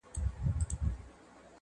چي ستا له سونډو نه خندا وړي څوك.